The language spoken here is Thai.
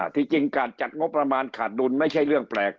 ที่จริงการจัดงบประมาณขาดดุลไม่ใช่เรื่องแปลก